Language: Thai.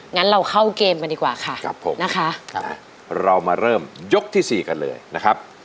งั้นเราเข้าเกมกันดีกว่าค่ะครับผมนะคะเรามาเริ่มยกที่สี่กันเลยนะครับ